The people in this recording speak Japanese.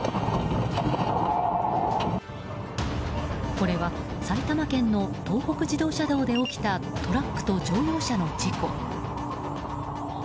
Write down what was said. これは、埼玉県の東北自動車道で起きたトラックと乗用車の事故。